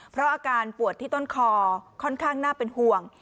เพราะอาการปวดที่ต้นคอค่อนข้างน่าเป็นห่วง